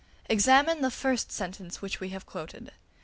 ] Examine the first sentence which we have quoted.